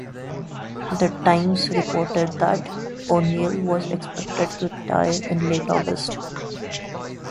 The "Times" reported that O'Neill was expected to retire in late August.